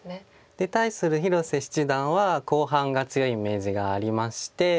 で対する広瀬七段は後半が強いイメージがありまして。